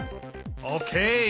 オーケー！